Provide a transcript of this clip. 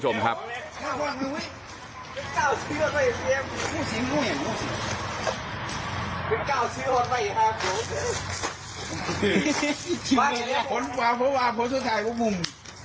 ที่มีแหละคนฝ่าฝ่าฝ่าฝ่าสุดท้ายก็มุ่ง